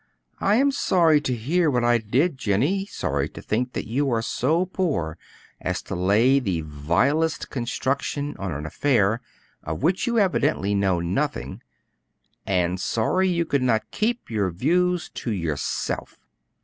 "I am sorry I heard what I did, Jennie; sorry to think that you are so poor as to lay the vilest construction on an affair of which you evidently know nothing, and sorry you could not keep your views to yourself."